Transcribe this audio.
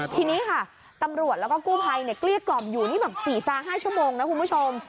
ทีนี้ค่ะตำรวจแล้วก็กู้ภัยเกลี้ยกล่อมอยู่นี่แบบ๔๕ชั่วโมงนะคุณผู้ชม